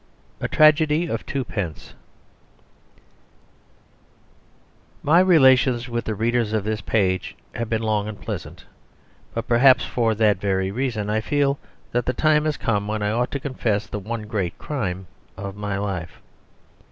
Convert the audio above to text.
A Tragedy of Twopence My relations with the readers of this page have been long and pleasant, but perhaps for that very reason I feel that the time has come when I ought to confess the one great crime of my life.